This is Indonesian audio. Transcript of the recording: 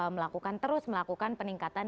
melakukan terus melakukan peningkatan